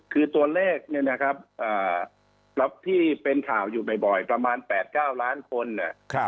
คือตัวเลขเนี่ยนะครับที่เป็นข่าวอยู่บ่อยประมาณ๘๙ล้านคน